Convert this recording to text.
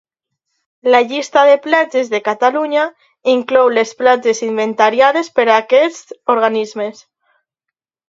La llista de platges de Catalunya inclou les platges inventariades per aquests organismes.